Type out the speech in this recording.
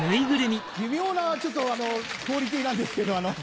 微妙なクオリティーなんですけど。